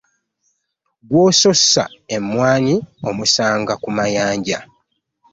Gwogusussa emwanyi omusanga ku mayanja .